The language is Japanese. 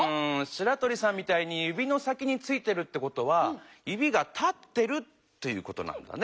しらとりさんみたいにゆびの先についてるってことはゆびが立ってるってことなんだね。